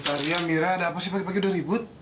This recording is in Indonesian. butaria amira ada apa sih pagi pagi udah ribut